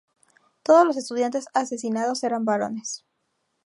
Todos los estudiantes asesinados eran varones.